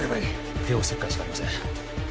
帝王切開しかありません